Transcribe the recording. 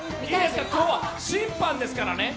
今日は審判ですからね。